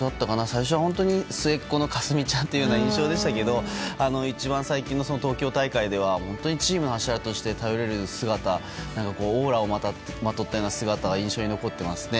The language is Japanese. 最初は末っ子の佳純ちゃんという印象でしたけど一番最近の東京大会ではチームの柱として頼れる姿オーラをまとったような姿が印象に残ってますね。